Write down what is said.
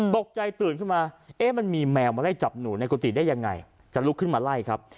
ตกใจตื่นขึ้นมาเอ๊ะมันมีแมวมาไล่จับหนูในกุฏิได้ยังไงจะลุกขึ้นมาไล่ครับ